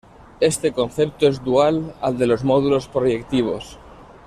Este concepto es dual al de los módulos proyectivos.